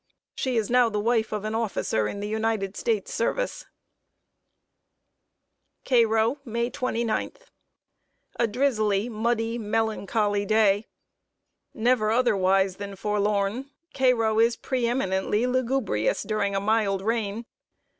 She is now the wife of an officer in the United States service. [Sidenote: THE FASCINATIONS OF CAIRO.] CAIRO, May 29. A drizzly, muddy, melancholy day. Never otherwise than forlorn, Cairo is pre eminently lugubrious during a mild rain.